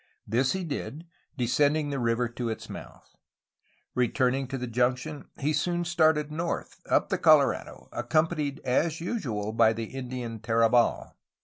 This he did, descending the river to its mouth. Returning to the junction, he soon started north, up the Colorado, accompanied as usual by the Indian Tarabal.